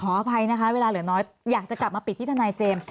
อภัยนะคะเวลาเหลือน้อยอยากจะกลับมาปิดที่ทนายเจมส์